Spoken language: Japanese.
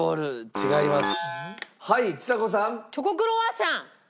違います。